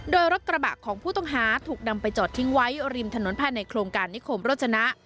โดยรถกระบะของผู้ต้องหาถูกนำไปจอดทิ้งไว้ริมถนนภายในโครงการนิคมโรจนะ